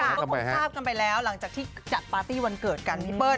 ก็คงทราบกันไปแล้วหลังจากที่จัดปาร์ตี้วันเกิดกันพี่เปิ้ล